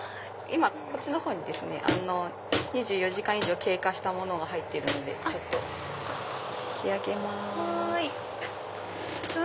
今こっちのほうに２４時間以上経過したものが入っているのでちょっと引き上げます。